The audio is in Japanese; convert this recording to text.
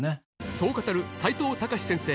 そう語る齋藤孝先生